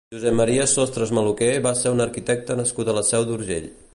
Josep Maria Sostres Maluquer va ser un arquitecte nascut a la Seu d'Urgell.